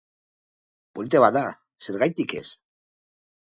Polita bada, zergatik ez?